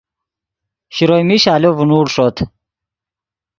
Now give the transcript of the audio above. شروئے میش آلو ڤینوڑ ݰوت